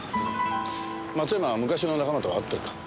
松山は昔の仲間とは会ってるか？